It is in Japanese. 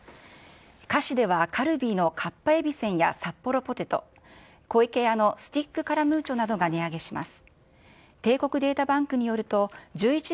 菓子ではカルビーのかっぱえびせんやサッポロポテト、湖池屋のスティックカラムーチョなどが値上げします。